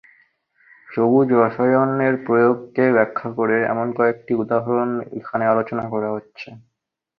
সবুজ রসায়ন এর প্রয়োগ কে ব্যাখ্যা করে, এমন কয়েকটি উদাহরণ এখানে আলোচনা করা হচ্ছে।